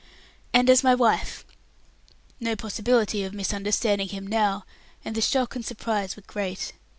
"And as my wife?" No possibility of misunderstanding him now, and the shock and surprise were great.